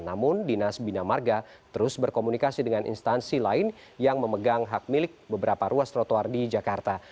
namun dinas bina marga terus berkomunikasi dengan instansi lain yang memegang hak milik beberapa ruas trotoar di jakarta